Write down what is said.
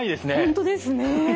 本当ですね。